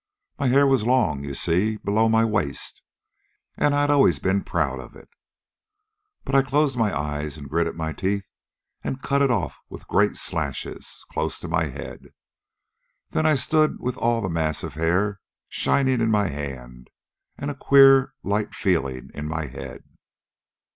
My hair was long, you see, below my waist. And I had always been proud of it. "But I closed my eyes and gritted my teeth and cut it off with great slashes, close to my head. Then I stood with all that mass of hair shining in my hand and a queer, light feeling in my head.